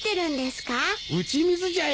打ち水じゃよ。